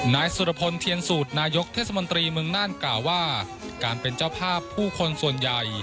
นายสุรพลเทียนสูตรนายกเทศมนตรีเมืองน่านกล่าวว่าการเป็นเจ้าภาพผู้คนส่วนใหญ่